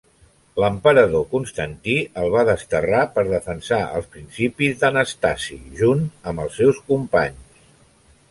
L'emperador Constantí el va desterrar per defensar els principis d'Anastasi, junt amb els seus companys.